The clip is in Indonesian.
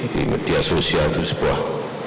di media sosial itu sebuah